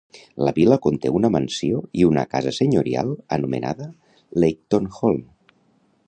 La vil·la conté una mansió i una casa senyorial anomenada Leighton Hall.